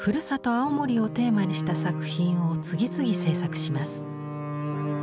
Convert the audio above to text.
青森をテーマにした作品を次々制作します。